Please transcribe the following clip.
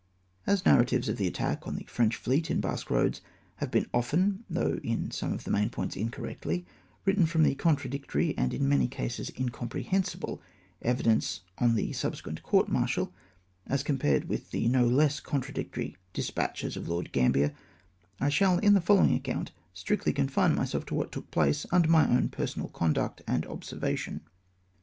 As narratives of the attack on the French fleet in Basque Eoads have been often, though in some of the main points incorrectly, written from the contradictory, and in many instances incomprehensible, evidence on the subsequent court martial, as compared with the no less contradictory despatches of Lord Gambier, I shall in the following account strictly confine myself to what took place under my own personal conduct and ob servation.